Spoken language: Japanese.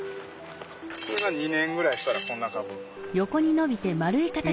これが２年ぐらいしたらこんな株。